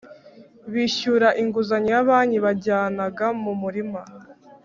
bishyura inguzanyo ya banki. Bajyanaga mu murima